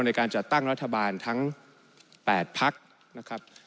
ในการจัดตั้งรัฐบาลทั้ง๘พักนะครับ